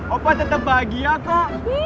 opa tetep bahagia kak